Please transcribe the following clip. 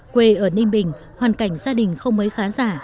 quê ở ninh bình hoàn cảnh gia đình không mấy khá giả